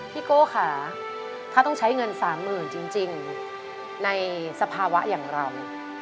โก้ค่ะถ้าต้องใช้เงิน๓๐๐๐จริงในสภาวะอย่างเรา